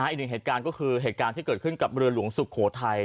อีกหนึ่งเหตุการณ์ก็คือเหตุการณ์ที่เกิดขึ้นกับเรือหลวงสุโขทัย